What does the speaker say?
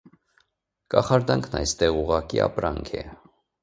Կախարդանքն այստեղ ուղղակի ապրանք է։